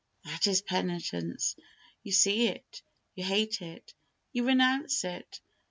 That is penitence. You see it. You hate it. You renounce it.